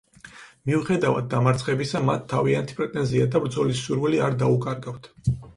მიუხედავად დამარცხებისა, მათ თავიანთი პრეტენზია და ბრძოლის სურვილი არ დაუკარგავთ.